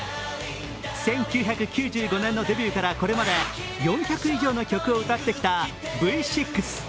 １９９５年のデビューからこれまで４００以上の曲を歌ってきたＶ６。